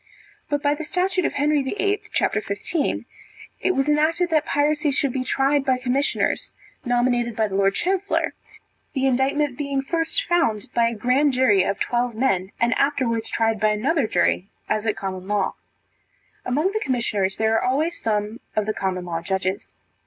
But by the statute of Henry VIII. c. 15, it was enacted that piracy should be tried by commissioners nominated by the lord chancellor, the indictment being first found by a grand jury, of twelve men, and afterwards tried by another jury, as at common law. Among the commissioners, there are always some of the common law judges.